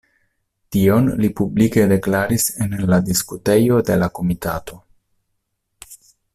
Tion li publike deklaris en la diskutejo de la komitato.